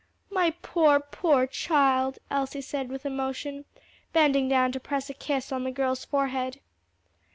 "My poor, poor child!" Elsie said with emotion, bending down to press a kiss on the girl's forehead.